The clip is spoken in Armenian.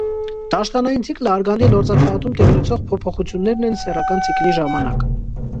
Դաշտանային ցիկլը, արգանդի լորձաթաղանթում տեղի ունեցող փոփոխություններն են սեռական ցիկլի ժամանակ։